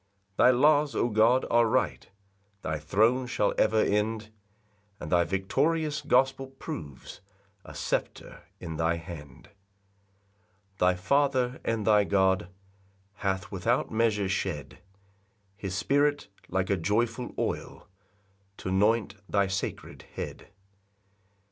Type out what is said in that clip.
4 Thy laws, O God, are right; Thy throne shall ever end; And thy victorious gospel proves A sceptre in thy hand. 5 [Thy Father and thy God Hath without measure shed His Spirit, like a joyful oil, T'anoint thy sacred head.